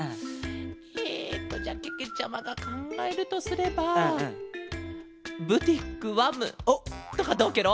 えっとじゃあけけちゃまがかんがえるとすれば「ブティックわむ」とかどうケロ？